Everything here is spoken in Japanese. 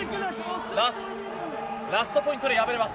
ラストポイントで敗れます。